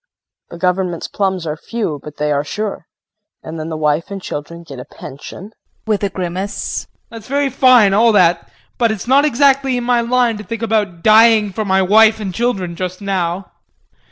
The government's plums are few, but they are sure. And then the wife and children get a pension JEAN [With a grimace]. That's all very fine all that, but it's not exactly in my line to think about dying for my wife and children just now.